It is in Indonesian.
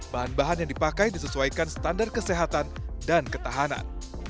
bahan bahan yang dipakai disesuaikan standar kesehatan dan ketahanan